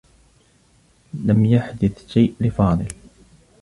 لم يحدث شيء لفاضل.